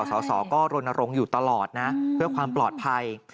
สอสอก็รณรงค์อยู่ตลอดนะเพื่อความปลอดภัย